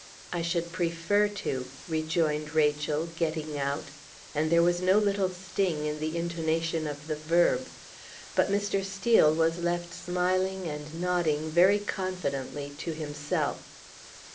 "I should prefer to," rejoined Rachel, getting out; and there was no little sting in the intonation of the verb; but Mr. Steel was left smiling and nodding very confidently to himself.